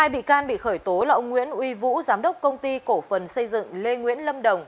hai bị can bị khởi tố là ông nguyễn uy vũ giám đốc công ty cổ phần xây dựng lê nguyễn lâm đồng